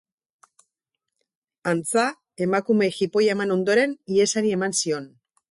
Antza, emakumeei jipoia eman ondoren ihesari eman zion.